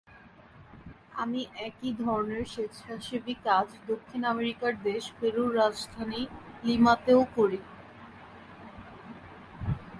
আমি একই ধরনের স্বেচ্ছাসেবী কাজ দক্ষিণ আমেরিকার দেশ পেরুর রাজধানী লিমাতেও করি।